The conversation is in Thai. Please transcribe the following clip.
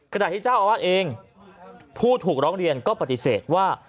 ขณะที่เจ้าอาวาสเองผู้ถูกร้องเรียนก็ปฏิเสธว่า